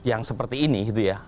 yang seperti ini gitu ya